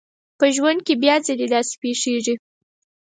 په ژوند کې بيا ځلې داسې پېښېږي.